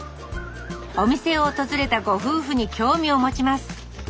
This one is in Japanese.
お店を訪れたご夫婦に興味を持ちます。